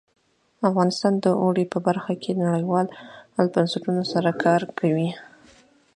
افغانستان د اوړي په برخه کې نړیوالو بنسټونو سره کار کوي.